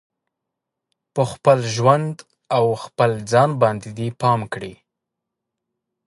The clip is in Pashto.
په خپل ژوند او په خپل ځان باندې دې پام کړي